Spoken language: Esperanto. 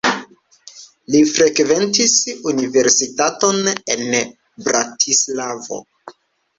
Li frekventis universitaton en Bratislavo.